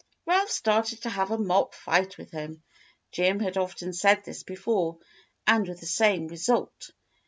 Ralph started to have a mock fight with him. Jim had often said this before, and with the same result.